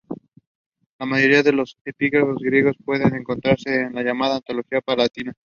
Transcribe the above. La mayoría de los epigramas griegos puede encontrarse en la llamada "Antología Palatina".